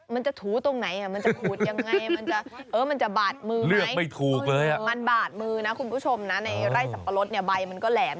มันจะถูตรงไหนมันจะขูดยังไงมันจะบาดมือไหมไม่ถูกเลยมันบาดมือนะคุณผู้ชมนะในไร่สับปะรดเนี่ยใบมันก็แหลม